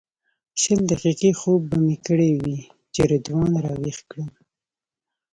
شل دقیقې خوب به مې کړی وي چې رضوان راویښ کړم.